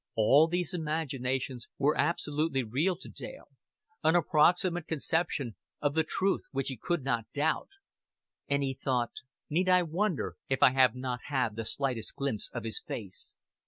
All these imaginations were absolutely real to Dale, an approximate conception of the truth which he could not doubt; and he thought: "Need I wonder if I have not had the slightest glimpse of His face?